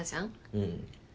うん。